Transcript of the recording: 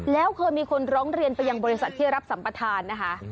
แล้วเคยมีคนร้องเรียนไปยังบริษัทที่รับสัมปทานนะคะ